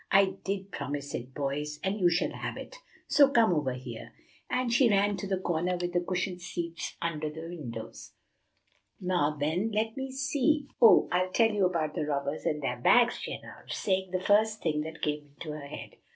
"I did promise it, boys, and you shall have it, so come over here;" and she ran to the corner with the cushioned seats under the windows. "Now, then, let me see, oh, I'll tell you about the Robbers and their Bags," she announced, saying the first thing that came into her head.